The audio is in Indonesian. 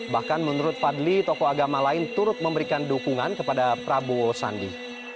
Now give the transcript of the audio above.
bahkan menurut fadli tokoh agama lain turut memberikan dukungan kepada prabowo sandi